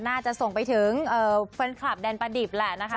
น่าจะส่งไปถึงแฟนคลับแดนประดิบแหละนะคะ